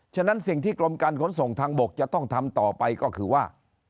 ฉะนั้นสิ่งที่กรมการขนส่งทางบกจะต้องทำต่อไปก็คือว่า